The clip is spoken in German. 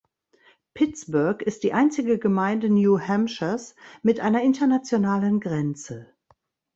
Pittsburg ist die einzige Gemeinde New Hampshires mit einer internationalen Grenze.